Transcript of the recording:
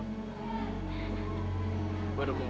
kita semua juga pasti seneng kok